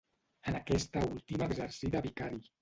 En aquesta última exercí de vicari.